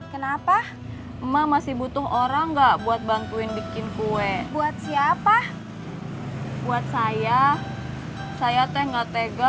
kenapa emak masih butuh orang enggak buat bantuin bikin kue buat siapa buat saya saya teh nggak tega